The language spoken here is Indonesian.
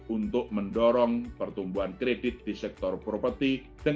untuk mendorong pertumbuhan kredit dan pembiayaan properti inden